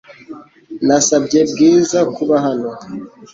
Nasabye Bwiza kuba hano .